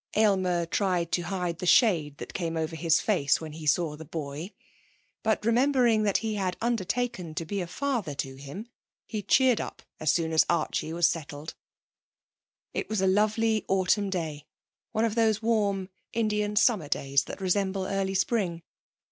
Aylmer tried to hide the shade that came over his face when he saw the boy, but remembering that he had undertaken to be a father to him, he cheered up as soon as Archie was settled. It was a lovely autumn day, one of those warm Indian summer days that resemble early spring.